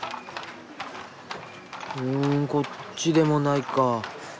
うんこっちでもないか。